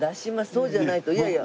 そうじゃないといやいや。